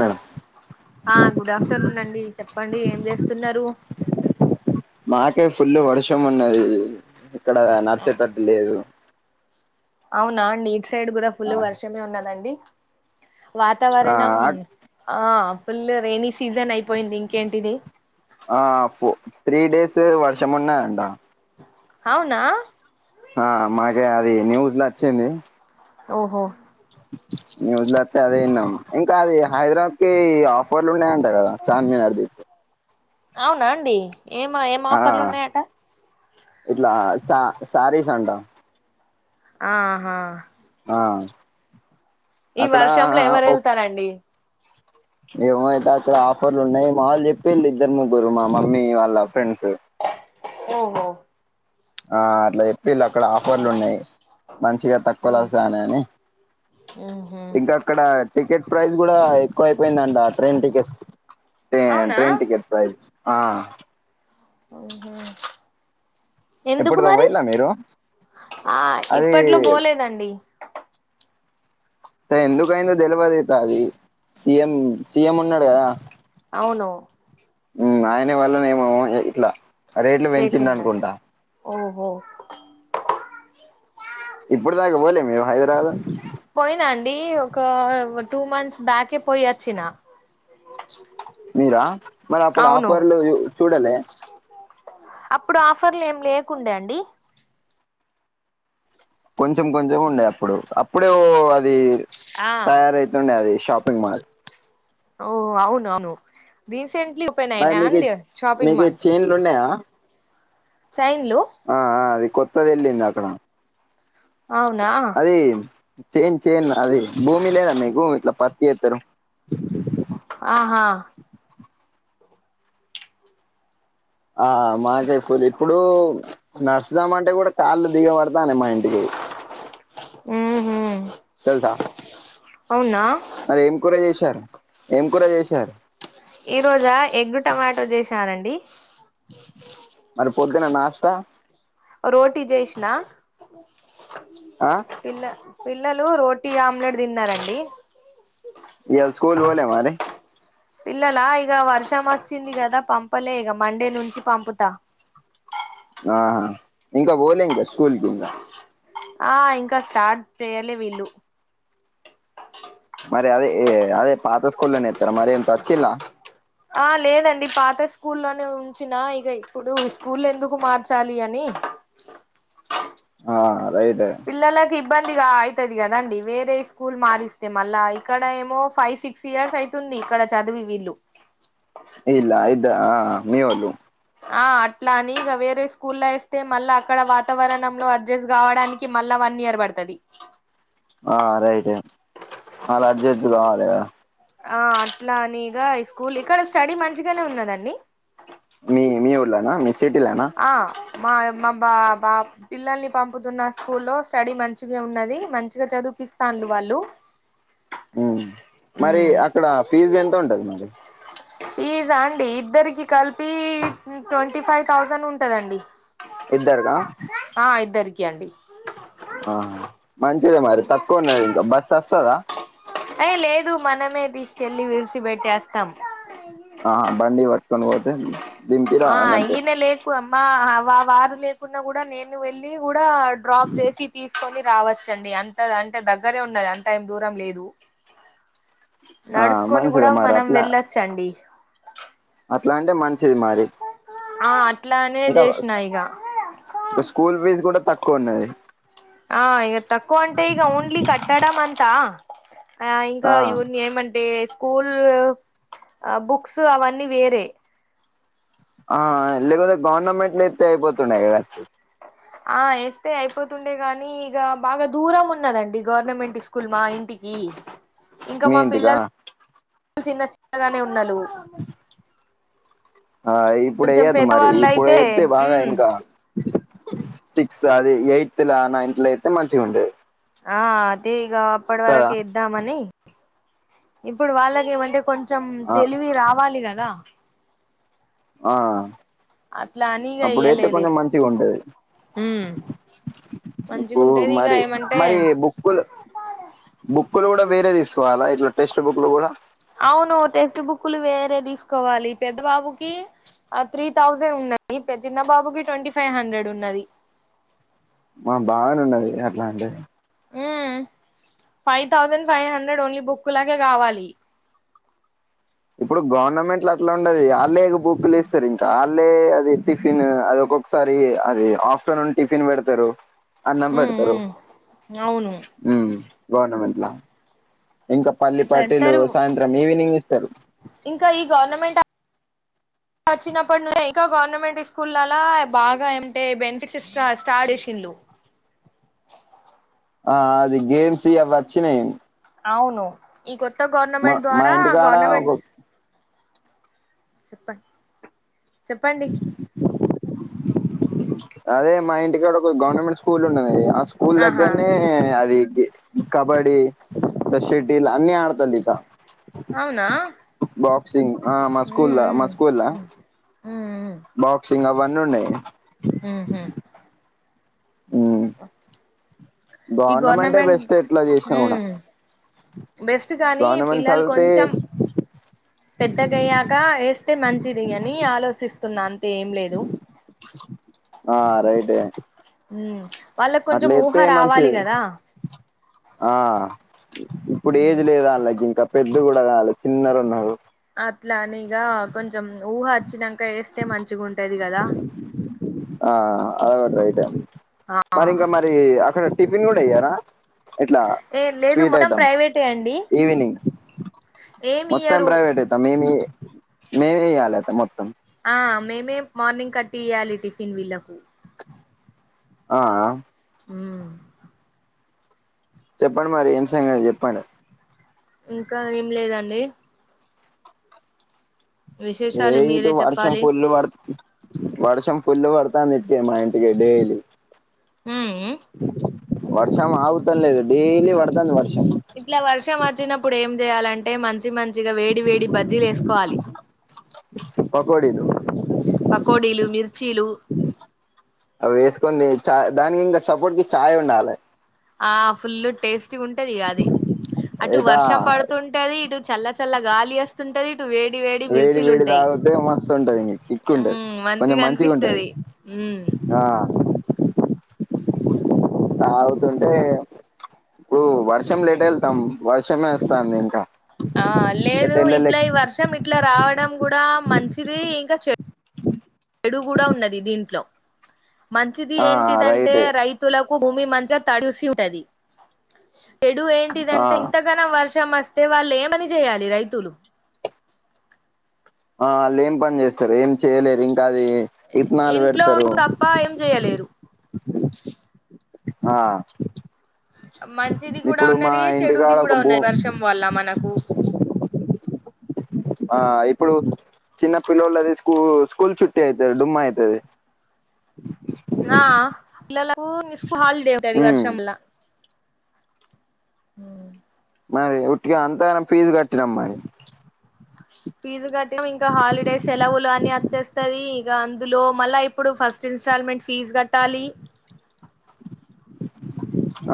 Madam ఆ good afternoon అండి చెప్పండి ఏం చేస్తున్నారు మాకే ఫుల్ వర్షం ఉన్నది ఇక్కడ ఆ నాడిచేటట్టులేదు అవునా ఇట్ సైడ్ కూడా ఫుల్ వర్షమే ఉన్నదండి వాతావరణం ఆ ఫుల్ రైనీ సీజన్ అయిపోయింది ఇంకేంటిది ఆ ఫొ త్రీ డేస్ వర్షమున్నదంటా అవునా ఆ మకే అది న్యూస్ ల అచ్చింది ఓహో న్యూస్ లో ఒత్తే అదేఇన్నాం ఇంకా అది హైద్రాబాద్ కి ఆఫ్ ఫర్లు ఉన్నాయి అంటా కదా చార్మినార్ది అవునా అండి ఏం ఏం ఆ ఆఫర్లు ఉన్నాయట ఇట్లా సా శారీస్ అంట ఆ హా ఆ అక్కడ ఓ రండి ఏమోఅయితే అక్కడ ఆఫర్లు ఉన్నాయి మా వాళ్ చెప్పిళ్ ఇద్దర్ ముగ్గుర్ మా మమ్మీ వాళ్ళ ఫ్రెండ్స్ ఓహో ఆ అట్లా చెప్పిళ్ళు అక్కడ ఆఫర్లు ఉన్నాయి మంచిగా తక్కువ్ల ఒస్తాయి అనే అని హ్మ్ హు ఇంకా అక్కడ టికెట్ ప్రైస్ కూడా ఎక్కువైపోయిందంట ట్రైన్ టికెట్స్ ట్రే అవునా ట్రైన్ టికెట్ ప్రైజ్ ఆ మ్ హు ఇప్పుడ్దో పోయిల్ల మీరు ఆ అది ఇప్పట్లో పోలేదండి అసల్ ఎందుకైందో తెల్వగిటా అది సీఎం సీఎం ఉన్నాడ్ కదా అవును మ్ ఆయ్న వాళ్ళనేమో ఇట్లా రేట్లు పెంచిండు చేసిందంట అనుకుంటా మ్ హు ఇప్పుడ్ దాకా పోలే మీర్ హైద్రాబాదు పోయినా అండి ఒక టూ మంత్స్ బ్యాకే పోయి ఓచ్చిన మీరా మరి అప్పుడు ఆఫర్లు చూడలే అప్పుడు ఆఫర్లు ఏం లేకుండే అండి కొంచెం కొంచెం ఉండే అప్పుడు అప్పుడే ఓ అది ఆ తయారైతుండే అది షాపింగ్ మాల్ ఓ అవ్ను అవ్ను రీసెంట్లీ ఓపెన్ అయినాయ అండి షాపింగ్ మాల్ చేంజ్లున్నయ చైన్ లు ఆఆ అది కొత్తది ఏళ్లింది అక్కడ అవ్నా అది చేన్ చేన్ అది భూమి లేదా మీకు ఇట్లా పత్తి ఎత్తరు ఆహా ఆ మాకే ఫుల్ ఇప్పుడు నడ్స్దం అంటే కూడా కాళ్ళు దిగబాడ్తనై మా ఇంటికి మ్ హు తెల్సా అవ్నా మరి ఏం కూర చేషరు ఏం కూర చేషరు ఈ రోజా ఎగ్గు టమాటో చేసానండి మరి పొద్దున నాష్ట రోటీ జేష్ణ ఆ పిల్ల పిల్లలు రోటీ ఆమ్లెట్ తిన్నారండి ఇయాల స్కూల్ పోలే మరి పిల్లలా ఇగ వర్షం వచ్చింది కదా పంపలే ఇగ మండే నుంచి పంపుతా ఆహా ఇంకా పోలే ఇంకా స్కూల్ కి ఇంకా ఆ ఇంకా స్టార్ట్ చేయలే వీళ్ళు మరి అదే ఎ అదే పాత స్కూల్లోనే ఎత్తర మరి ఏంత వచ్చిల ఆ లేదండి పాత స్కూల్లోనే ఉంచిన ఇగ ఇప్పుడు స్కూల్ ఎందుకు మార్చాలి అని [unintelligible] ఆ అదైతె పిల్లలకు ఇబ్బందిగా అయితది కదండి వేరే స్కూల్ మారిస్తే మళ్ళా ఇక్కడ ఏమో ఫైవ్ సిక్ క్స్ ఇయర్స్ అవుతుంది ఇక్కడ చదివి వీళ్ళు ఇల్ల యిద్ద ఆ మీవొళ్ళు ఆ అట్లా అని ఇగ వేరే స్కూల్ల్లో వేస్తే మళ్ళా అక్కడ వాతావరణంలో అడ్జస్ట్ కావడాని కి మళ్ళా వన్ ఇయర్ పడుతది ఆ రైట్ ఏ ఆల్ అడ్జడ్ట్ కావాలి గద ఆ అట్లా అనిగా స్కూల్ ఇక్కడ స్టడీ మంచిగానే ఉన్నాదండి మీ మీ ఊల్లొనా మీ సిటీలోనా ఆ మా మా బా బాబ్ పిల్లల్ని పంపుతున్న స్కూల్ లో స్టడీ మంచిగా ఉన్నది మంచిగా చదుపిస్తాంరు వాళ్ళు [unintelligible] హ్మ్ మరి అక్కడ ఫీజ్ ఎంత ఉంటది మరి ఫిజా అండి ఇద్దరికి కలిపి ట్వంటీ ఫైవ్ థౌజండ్ ఉంటదండి ఇద్దరికా ఆ ఇద్దరికి అండి [unintelligible] ఆహా మంచిదే మరి తక్కువ ఉన్నది ఇంకా బస్ వస్తదా ఏ లేదు మనమే తీసుకెళ్ళి విరిసి బెట్టేస్తాం ఆహా బండి పట్టుకొని పోతే దింపి రావాలి అంతే కు అమ మా వారు లేకుండా కూడా నేను వెళ్ళి కూడా డ్రాప్ చేసి తీసుకొని రావచ్చండి అంతగ అంటే దగ్గరే ఉన్నది అంత ఏం దూరం లేదు ఆ నడుసుకొని కూడా మంచిదే మరి మనం అట్లా వెళ్ళొచ్చండి అట్లా అంటే మంచిది మరి ఆ అట్లానే చేసినా ఇగ ఇగ స్కూల్ ఫీజ్ కూడా తక్కువున్నది ఆ ఇగ తక్కువ అంటే ఈగ ఓన్లీ కట్టడం అంట ఆ ఇంకా యున్ ఏం అంటేస్ స్కూల్ ఆ బుక్స్ అవన్నీ వేరే ఆ లేకపోతే గవర్నమెంట్ల ఎతే అయిపోతుండె కదా అండీ ఆ ఎస్తే అయిపోతుండే గాని ఇగ బాగా దూరం ఉన్నదండి గవర్నమెంట్ స్ స్కూల్ మా ఇంటికి ఇంకా మీ మా ఇంటికా పిల్లలు చిన్న చిన్నగానే ఉన్నాలు ఆ ఇప్పుడు కొంచెం ఎయద్దు మరి పెద్దవాళ్ళు ఇప్పుడు అయితే ఎతే బాగా ఉమ్ ఇంకా సిక్స్ అది ఎయిత్ ల నైన్త్ ల ఏతే మంచిగా ఉంటది ఆ అదేగ అప్పటి కదా వరకే ఎద్దామని ఇప్పుడు వాళ్ళకేమంటే కొంచెం ఆ తెలివి రావాలి కదా ఆ అట్లా అని ఇగ అప్పుడేతే ఎయ్యలేదు కొంచెం మంచిగా ఉంటది ఉమ్ మంచిగా ఇపుడు ఉంటది ఇక మరి ఏమంటే మరి బుక్ బుక్ లు బుక్కులు కూడా వేరే తీసుకోవాలా ఇట్లా టెక్స్ట్ బుక్ లు కూడా అవును టెక్స్ట్ బుక్కులు వేరే తీసుకోవాలి పెద్ద బాబుకి ఆ త్రీ థౌజండ్ ఉన్నది పె చిన్నబాబుకిి ట్వంటీ ఫైవ్ హండ్రెడ్ ఉన్నది ఆ బాగానే ఉన్నది అట్లా అంటే ఉం five thousand five hundred only బుక్కులకే కావాలి ఇప్పుడు గవర్నమెంట్ల అట్లా ఉండది వాళ్ళే బుక్లులిస్తారు ఇంకా వాళ్ళ అది టిఫిన్ అది ఒక ఒక్సారి అది ఆఫ్టర్నూన్ టిఫిన్ వెడ్తరు అన్నం పెడతారు అవును ఉం గర్నమెంట్లా ఇంకా పళ్లిపటీలు పెడతారు సాయంత్రం ఈవినింగ్ ఇస్తారు ఇంకా ఈ గర్నమెంట్ ఆ ట చినప్పటి నుంచి ఇంకా గవర్నమెంట్ స్కూల్లలా బాగా ఏంటే బెనిఫిట్స్ స్టార్ట్ చేసింలు ఆ అది గేమ్సి అవి అచ్చినయి అవ్ను ఈ కొత్త మా గవర్నమెంట్ మా ద్వారా ఇంటికాడ ఒక గవర్నమెంట్ చెప్పం చెప్పండి అదే మా ఇంటికాడొ గవర్నమెంట్ స్కూలు ఉన్నది. ఆ స్కూల్ ఆహా దగ్గరనే అది కబడ్డి గా షెటిల్ అన్ని ఆడ్తలికా. అవునా బాక్సింగ్ ఆ మ స్కూల్ల మ స్కూల్ల మ్మ్ మ్మ్ బాక్సింగ్ అవన్నీ ఉన్నాయి ఉహు. మ్మ్ ఈ బెస్ట్ గవర్నమెంట్ ఎట్లా చేసినా ఉ కూడా బెస్ట్ గానీ గవర్నమెంట్ పిల్లలు చదివితే కొంచెం పెద్దగాయ్యాక ఏస్తే మంచిది అని ఆలోచిస్తున్నా అంతే ఏం లేదు ఆ రైటే. ఉహ్ వాళ్ళకి కొంచెం ఊహ అట్లయితే రావాలి మంచిది కదా. ఆ ఇప్పుడేజ్ ఉమ్ లేదు అళ్ళకి ఇంకా పెద్ద కూడా కాలే చిన్నరున్నారు అట్ల అని ఇగా కొంచెం ఊహ వచ్చినాంక ఏస్తే మంచిగున్ ఆ అది గూడ రేటే ఆ మరి ఇంకా మరి మరి అక్కడ టిఫిన్ కూడా ఇయ్యారా ఇట్ల ఏ లేదు స్వీట్ మొత్తం ఐటమ్ ఈవినింగ్ ఏమియ్యరు ప్రైవేటైతే మేమే మేమియ్యాలట మొత్తం ఆ మేమే మార్నింగ్ కట్టియ్యాలి. టిఫిన్ వీళ్ళకు ఆ ఆ ఉ చెప్పండి మరి ఏం సంగతి చెప్పండి ఇంకా ఏం లేదండి విశేషాలు లేదు మీరే వర్షం చెప్పాలి ఫులు బడ్తు వర్షం ఫుళ్ళు పడ్తంది. మా ఇంటికి డేలీ ఉమ్ వర్షం ఆగుతనే లేదు డైలీ పడ్తాంది వర్షం ఇట్ల వర్షం వచ్చినప్పుడు ఏం జేయాలంటే మంచి మ ఇగ వేడి వేడి బజ్జీలేస్కోవాలి. పకోడీలు పకోడిలు మిర్చీలు అవేస్కుంది చా దానికి ఇంగ సపోర్ట్కి చాయ్ ఉండాలి ఆ ఫుల్ టేస్ట్ ఉంటదిగా ఆది అటు ఇదా వర్షం పడ్తుంటే ఉంటది. ఇటు చల్ల చల్ల గాలి అస్తుంటది ఇటు వేడి వేడి వేడి మిర్చీలుంటాయి తాగితే మస్తు ఉంటది ఇంక కిక్ ఉంటది మ్మ్ కొంచెం మంచిగా ఉంటది మంచిగనిపిస్తది ఉ ఆ తాగుతుంటే ఇప్పుడు వర్షం లేట్ వెళ్తాం వర్షమే వస్తాంది. ఇంకా ఆ ఎటు లేదు వెళ్ళలేక ఇట్లా ఈ వర్షం ఇట్లా రావడం కూడా మంచిది ఇంకా చె చెడు కూడా ఉన్నది దీంట్లో మంచిది ఆ ఏంటిదంటే రైటే రై తులకు భూమి మంచిగా తడిసి ఉంటది చెడు ఆ ఏంటిదంటే ఇంతగానం వర్షం వస్తే వాళ్ళు ఏమని చేయాలి రైతులు ఆ ఆళ్ ఏం పని చేస్తరు ఏం చేయలేరు ఇంకా అదీ ఇంట్లో [unintelligible] తప్ప ఏం చేయ్యలేరు ఆ మంచిది గూడా ఇప్పుడు మా ఉన్నది ఇంటికాడ చెడుది ఒక గూడా భూ ఉన్నది వర్షం వల్ల మనకు ఆ ఇప్పుడు చిన్న పిల్లోల్లది స్కూ స్కూల్ చుట్టి అయితది డుమ్మా అయితది ఆ పిల్లలకు స్కు హాలిడే ఉంటది ఉమ్ వర్షంలా ఉమ్ మరి ఉట్టిగా అంతాగానం ఫీజు కట్టినాం మరి ఫీజు కట్టామ్ ఇంకా హాలిడేస్ సెలవులు అని అచ్చేస్తది ఇగ అందులో మళ్ళా ఇప్పుడు ఫస్ట్ ఇన్స్టాల్మెంట్ ఫీజ్ కట్టాలి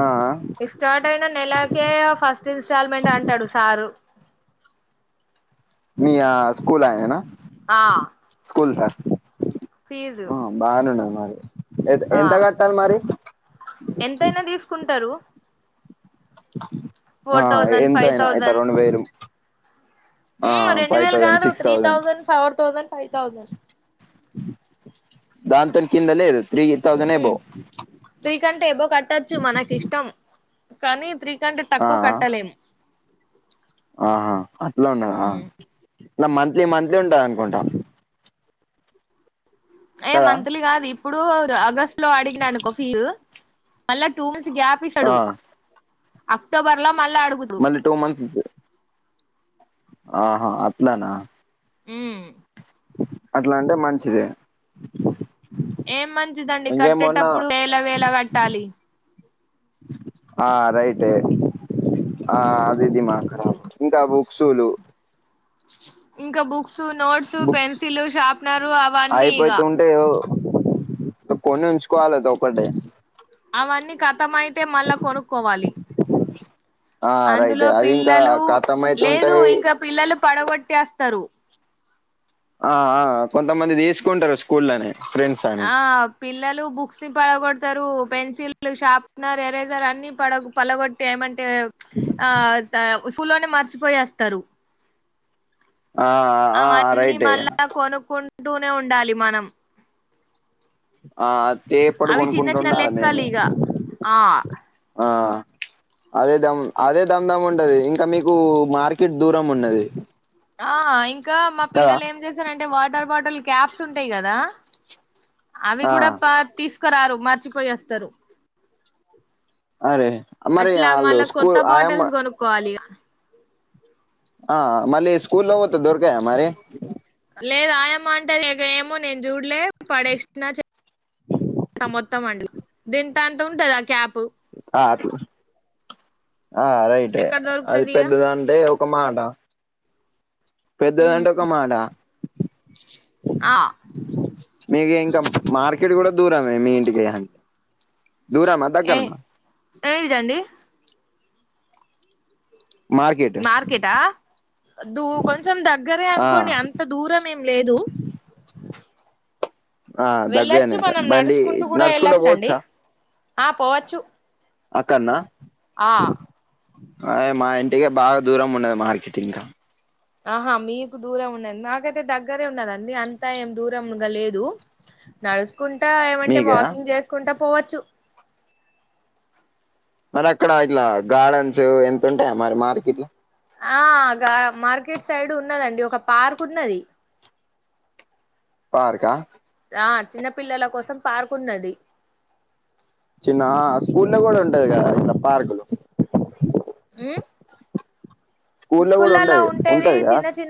ఆ ఆ ఇ స్టార్ట్ అయిన నెలకే ఫస్ట్ ఇన్స్టాల్మెంట్ అంటడు సారు మీ యా స్కూల్ ఆయన నా ఆ స్కూల్ సార్ ఫీజు ఆ బాగానే ఉన్నది మరి ఎ ఆ ఎంత కట్టాలి మరి తీసుకుంటరు ఆ థౌజండ్ ఫైవ్ ఎంతైనా ఇట్ట థౌజండ్ రెండు వేలు ఆ ఉమ్ రెండు ఫైవ్ వేలు థౌజండ్ కాదు six three thousand, four thousand, five thousand దాన్ తోన్ కిందలేదు త్రీ థౌసండ్ ఉమ్ ఎబోవ్ త్రీ కంటే ఎబో కట్టచ్చు మనకి ఇష్టం కానీ త్రీ కంటే ఆ తక్కువ కట్టలేము ఆహా అట్లా ఉన్నద ఉమ్ ఇట్లా మంత్లీ మంత్లీ ఉంటది అనుకుంటా ఏ కదా మంత్లీ గాదు ఇప్పుడు ఆగస్టు లో అడిగిననుకో ఫీజు మళ్ళా టూ మంత్స్ గ్యా ఆ పిస్తడు అక్టోబర్ లో మళ్ళ అడుగుదురు మళ్ళీ టూ మంత్స్ ఆహా అట్లానా ఉమ్ అట్లా అంటే మంచిదే ఏం మంచిదండి ఇంకేమన్నా కట్టేటప్పుడు వేల వేల కట్టాలి ఆ రైటే ఆ ఉమ్ అది దిమాక్ ఖరాబ్ ఇంకా బుక్సులు ఇంక books notes books pencil sharpener అవన్నీ ఇగా అంటే ఓ కొని ఉంచుకోవాలి అది ఒకటే అవన్నీ కతం అయితే మళ్ళా కొనుక్కోవాలి ఆ రైట్ అందులో అది ఇంకా పిల్లలు కతం లేదు అయితుంటాయి ఇంకా పిల్లలు పడగొట్టేస్తారు ఆ ఆ కొంతమంది తీసుకుంటరు స్కూల్ లోనే ఆ పిల్లలు బుక్స్ ని పడగొడతారు పెన్సిల్ లు షార్ప్నర్ ఎరేజర్ అన్ని పడగొ పలగొట్టి ఏమంటే ఆ స సూలోనే మర్చిపోయి అస్తారు ఆ ఆ అవన్నీ రైటే మళ్ళా కొనుక్కుంటూనే ఉండాలి మనం అథేపడు అవి చిన్న చిన్న కొనుకుంటుండాలె మేము లెక్కలు ఇగ ఆ ఆ అదే దమ్ అదే దమ్ దమ్ ఉంటది ఇ ఇంకా మీకు మార్కెట్ దూరం ఉన్నది ఆ ఇంకా మా కదా పిల్లలు ఏం చేస్తారంటే వాటర్ బాటిల్ క్యాప్స్ ఉంటాయి గదా అవి ఆ గుడా పా తీసుకురారు మర్చిపోయి వొస్తరు అరే మరి అట్లా ఆళ్ళు మళ్ళా కొత్త స్కూల్ ఆయమ్మ బాటిల్స్ కొనుక్కోవాలి ఇగ ఆ మళ్ళీ స్కూలో పోతే దోరకయ మరి లేదు ఆయమ్మ అంటది ఎగ ఏమో నేను చూడలే పడేసిన చె అ మొత్తం అంట గింత అంత ఉంటందా క్యాప్ ఆ అట్లా ఆ రైటె ఎక్కడ అది దొరుకుతది ఇగ పెద్దద అంటే ఒక మాట పెద్దదంటే ఒక మాట ఆ మీకు ఇంకా మార్కెట్ గుడా దూరమే మీ ఇంటికి ఇగ దూరమా దగ్గర్నా ఎడిది అండీ మార్కెట్ మార్కెటా దు కొంచెం దగ్గరే ఆ అనుకోండి అంత్ అంత దూరం ఏం లేదు ఆ వెళ్ళచ్చు దగ్గరనే మనం బండి నడుసుకుంటూ గుడా నడుచుకుంటూ వెళ్ళచ్చు అండి పోవచ్చా ఆ పోవచ్చు అక్కన్న ఆ అయ్ మా ఇంటికె బాగా దూరం ఉన్నది మార్కెట్ ఇంకా ఆహా మీకు దూరం ఉన్నది నాకైతే దగ్గరే ఉన్నది అండీ అంత ఏం దూరంగా లేదు నడుసుకుంటా ఏమంటే మీకే వాకింగ్ చేసుకుంటా పోవచ్చు మరి అక్కడ ఇట్లా గార్డెన్స్ ఎంత ఉంటాయ మరి మార్కెట్ లో ఆ గా మార్కెట్ సైడ్ ఉన్నది అండీ ఒక పార్క్ ఉన్నది పార్కా ఆ చిన్న పిల్లల కోసం పార్కు ఉన్నది చిన్న స్కూల్లో గుడా ఉంటది కదా ఇట్లా పార్కులు ఉ స్కూల్లో గుడా ఉండది ఉంటేది ఉంటదిగా చిన్న చిన్న